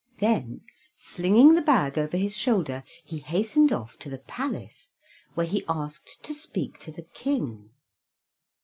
Then, slinging the bag over his shoulder, he hastened off to the palace, where he asked to speak to the King.